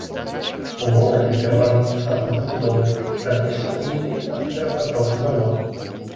У горадзе, пераважна сучаснай забудовы, размешчаны буйны нафтаперапрацоўчы завод.